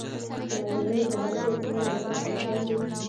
چې نازنين دجبار زوى عمر ته نکاح کړي.